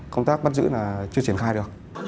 công tác bắt giữ chưa triển khai được